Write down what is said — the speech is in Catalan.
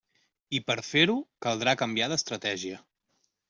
I per a fer-ho caldrà canviar d'estratègia.